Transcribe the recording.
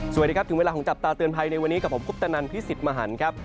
สวัสดีครับถึงเวลาของจับตาเตือนภัยในวันนี้กับผมคุปตนันพิสิทธิ์มหันครับ